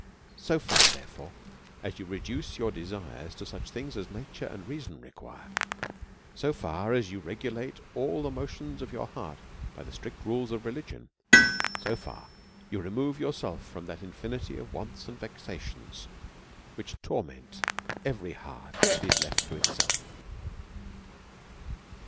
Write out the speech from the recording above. So far^ therefore;, as you reduce your desires to such things as nature and reason require ; so far as you re gulate all the motions of your heart by the strict rules of religion^, so far you remove yourself from that infi nity of wants and vexations which torment every heart that is left to itself.